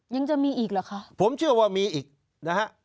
ยังมีอีกเหรอคะผมเชื่อว่ามีอีกนะฮะ